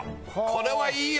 これはいいよ！